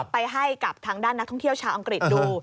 ไปให้กับทางด้านนักท่องเที่ยวชาวอังกฤษดู